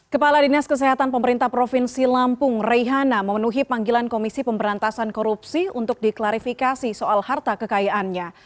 kepala dinas kesehatan pemerintah provinsi lampung reihana memenuhi panggilan komisi pemberantasan korupsi untuk diklarifikasi soal harta kekayaannya